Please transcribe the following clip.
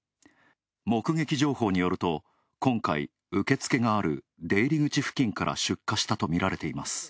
目撃情報によると、今回、受け付けがある、出入り口付近から出火したとみられています。